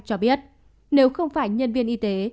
cho biết nếu không phải nhân viên y tế